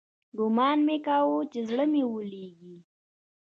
ګومان مې کاوه چې زړه مې ويلېږي.